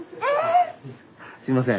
すいません。